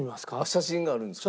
写真があるんですか？